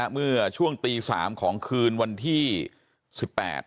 เมื่อช่วงตี๓ของคืนวันที่๑๘คืน